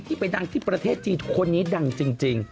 ไปดังที่ประเทศจีนคนนี้ดังจริง